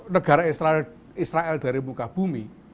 negara israel dari muka bumi